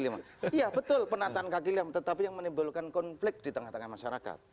iya betul penataan kaki tetapi yang menimbulkan konflik di tengah tengah masyarakat